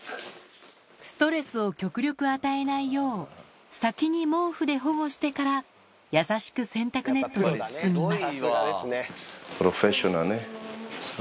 ストレスを極力与えないよう先に毛布で保護してから優しく洗濯ネットで包みます